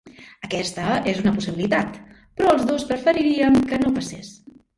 Aquesta és una possibilitat, però els dos preferiríem que no passés.